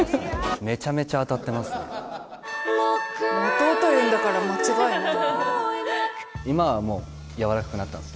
弟言うんだから間違いない。